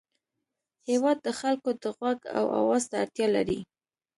هېواد د خلکو د غوږ او اواز ته اړتیا لري.